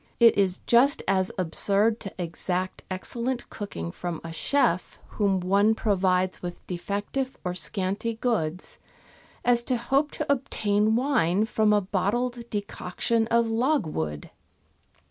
It is just as absurd to exact excellent cooking from a chef whom one provides with defective or scanty goods, as to hope to obtain wine from a bottled decoction of logwood.